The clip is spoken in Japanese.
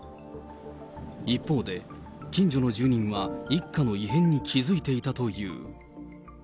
一方で、近所の住民は一家の異変に気付いていたという。